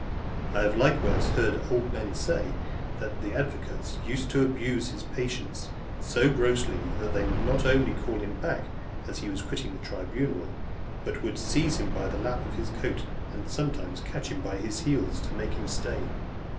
I have likewise heard some old men say , that the advocates used to abuse his patience so grossly, that they would not only (307) call him back, as he was quitting the tribunal, but would seize him by the lap of his coat, and sometimes catch him by the heels, to make him stay.